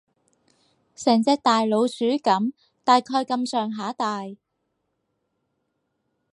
成隻大老鼠噉，大概噉上下大